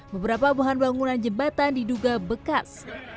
beberapa bahan bangunan jembatan diduga bekas